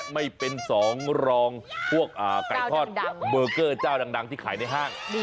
ไม่เป็นสองรองพวกไก่ทอดเบอร์เกอร์เจ้าดังที่ขายในห้าง